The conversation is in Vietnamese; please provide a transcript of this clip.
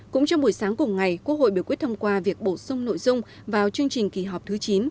cũng trong buổi sáng cùng ngày quốc hội biểu quyết thông qua việc bổ sung nội dung vào chương trình kỳ họp thứ chín